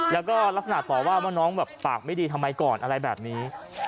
แล้วก็ลักษณะต่อว่าว่าน้องแบบปากไม่ดีทำไมก่อนอะไรแบบนี้